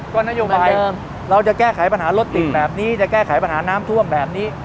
ก็นโยบายเราจะแก้ไขปัญหารถติดแบบนี้จะแก้ไขปัญหาน้ำท่วมแบบนี้